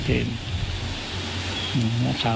ถึงมาสอน